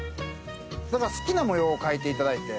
好きな模様を描いていただいて。